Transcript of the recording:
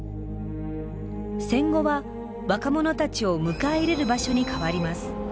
戦後は若者たちを迎え入れる場所に変わります。